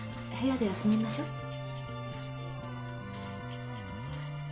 部屋で休みましょう。